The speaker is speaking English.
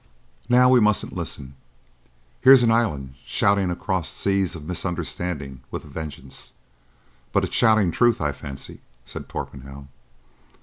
"Now we mustn't listen. Here's an island shouting across seas of misunderstanding with a vengeance. But it's shouting truth, I fancy," said Torpenhow.